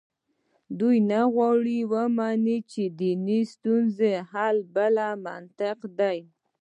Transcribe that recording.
دوی نه غواړي ومني چې دنیوي ستونزو حل بل منطق ته ده.